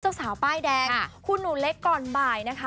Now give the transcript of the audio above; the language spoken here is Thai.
เจ้าสาวป้ายแดงคุณหนูเล็กก่อนบ่ายนะคะ